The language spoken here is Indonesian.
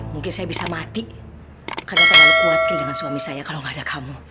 mungkin saya bisa mati karena terlalu kuat dengan suami saya kalau gak ada kamu